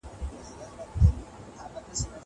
زه به سبا لیکل کوم.